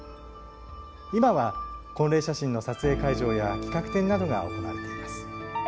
今は、婚礼写真の撮影会場や企画展などが行われています。